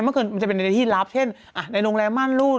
เกินมันจะเป็นในที่รับเช่นในโรงแรมม่านรูด